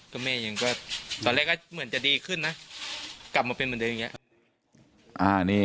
ตอนแรกก็เหมือนจะดีขึ้นนะกลับมาเป็นเหมือนเดียวอย่างเงี้ย